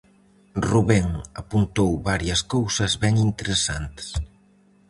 Rubén apuntou varias cousas ben interesantes.